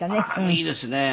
いいですね。